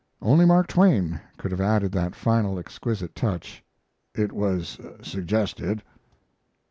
Only Mark Twain could have added that final exquisite touch "it was suggested."